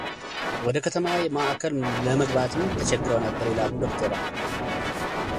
ወደ ከተማዋ ማዕከል ለመግባትም ተቸግረው ነበር ይላሉ ዶክተሯ።